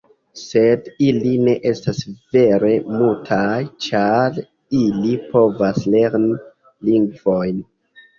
Sed ili ne estas vere mutaj, ĉar ili povas lerni lingvojn.